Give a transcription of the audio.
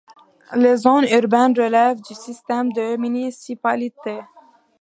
Les zones urbaines relèvent du système des municipalités.